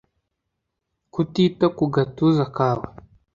Kutita ku gatuza kawe